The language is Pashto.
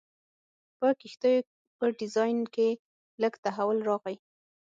په کښتیو په ډیزاین کې لږ تحول راغی.